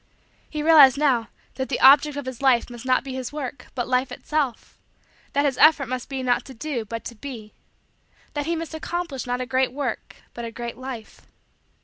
He realized, now, that the object of his life must be not his work but Life itself that his effort must be not to do but to be that he must accomplish not a great work but a great Life.